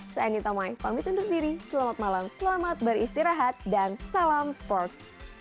saya anita mai pamit undur diri selamat malam selamat beristirahat dan salam sports